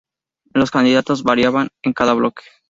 Los candidatos variaban en cada bloque.